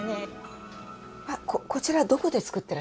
こちらどこで作ってらっしゃるんですか？